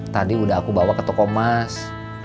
tadi udah aku bawa ke toko mas